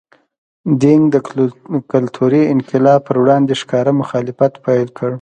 دینګ د کلتوري انقلاب پر وړاندې ښکاره مخالفت پیل کړ.